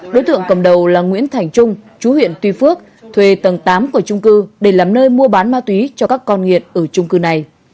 đối tượng cầm đầu là nguyễn thành trung chú huyện tuy phước thuê tầng tám của trung cư để làm nơi mua bán ma túy cho các con nghiện ở trung cư này